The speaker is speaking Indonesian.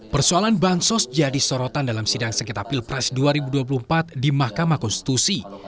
persoalan bansos jadi sorotan dalam sidang sengketa pilpres dua ribu dua puluh empat di mahkamah konstitusi